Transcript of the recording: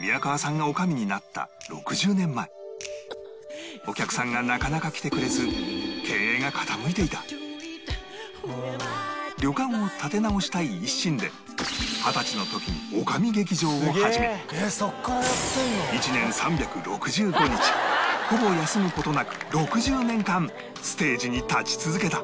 宮川さんが女将になった６０年前お客さんがなかなか来てくれず旅館を立て直したい一心で二十歳の時に女将劇場を始め１年３６５日ほぼ休む事なく６０年間ステージに立ち続けた